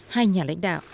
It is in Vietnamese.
hai nhà lãnh đạo